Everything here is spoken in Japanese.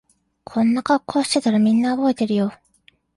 こんな格好してたらみんな覚えてるよ